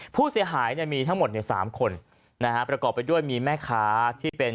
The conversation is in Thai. ผู้เสียหายมีทั้งหมด๓คนประกอบไปด้วยมีแม่ค้าที่เป็น